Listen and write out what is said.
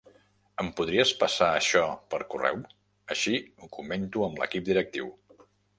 Em podries passar això per correu, així ho comento amb l'equip directiu.